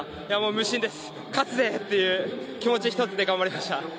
無心です、勝つぜ！っていう気持ち一つで頑張りました。